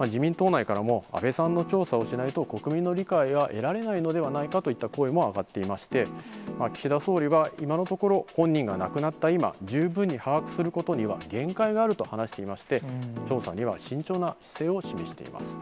自民党内からも、安倍さんの調査をしないと、国民の理解は得られないのではないかという声も上がっていまして、岸田総理は今のところ、本人が亡くなった今、十分に把握することには限界があると話していまして、調査には慎重な姿勢を示しています。